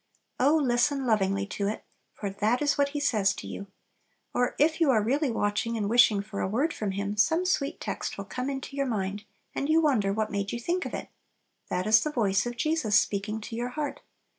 Oh, listen lovingly to it, for that is what He says to you! Or if you are really watching and wishing for a word from Him, some sweet text will come into your mind, and you wonder what made you think of it! That is the voice of Jesus speaking to your heart.